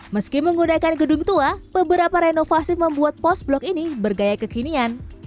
meski menggunakan gedung tua beberapa renovasi membuat post blok ini bergaya kekinian